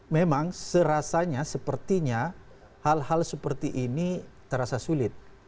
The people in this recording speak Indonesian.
memang serasanya sepertinya hal hal seperti ini terasa sulit